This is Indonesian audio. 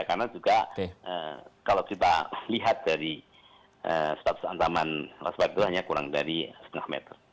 karena juga kalau kita lihat dari status antaman waspada itu hanya kurang dari setengah meter